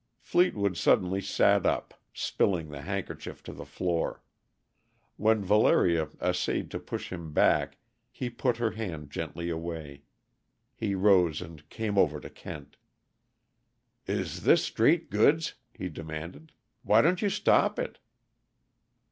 Fleetwood suddenly sat up, spilling the handkerchief to the floor. When Valeria essayed to push him back he put her hand gently away. He rose and came over to Kent. "Is this straight goods?" he demanded. "Why don't you stop it?"